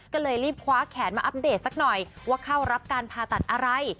ก็เลยรีบคว้าแขนมาอัปเดตสักหน่อยว่าเข้ารับการผ่าตัดอะไร